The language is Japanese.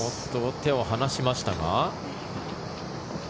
手を離しましたが。